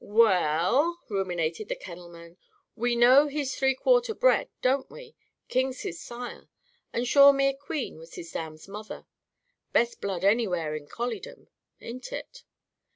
"Well," ruminated the kennelman, "we know he's three quarter bred, don't we? King's his sire. And Shawemere Queen was his dam's mother. Best blood anywhere in colliedom, ain't it?